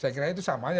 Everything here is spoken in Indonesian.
saya kira itu sama aja